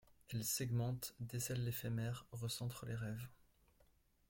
Elle segmente, décèle l’éphémère, recentre des rêves.